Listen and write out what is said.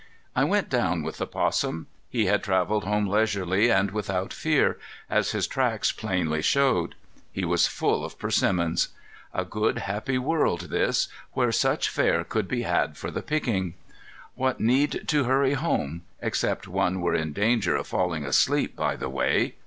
I went down with the 'possum. He had traveled home leisurely and without fear, as his tracks plainly showed. He was full of persimmons. A good happy world this, where such fare could be had for the picking! What need to hurry home, except one were in danger of falling asleep by the way?